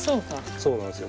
そうなんですよ。